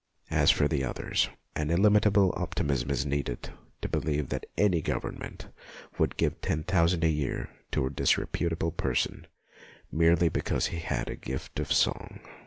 As for the others, an illimitable optimism is needed to believe that any, Government would give ten thousand a year to a dis^ reputable person merely because he had a gift of song.